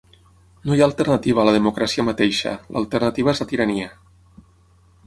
No hi ha alternativa a la democràcia mateixa, l’alternativa és la tirania.